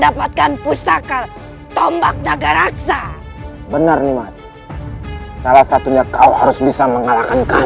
atau bukan karena semisal